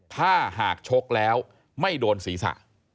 ถ้าหากชกแล้วไม่โดนศีรษะ